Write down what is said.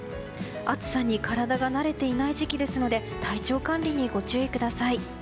暑さに体が慣れていない時期ですので体調管理にご注意ください。